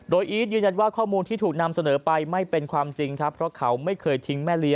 โดยอีทยืนแยนว่าข้อมูลที่ถูกนำเสนอไป